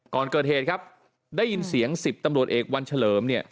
ก่อนเกิดเหตุครับได้ยินเสียง๑๐ตำรวจเอกวันเฉลิมเนี่ย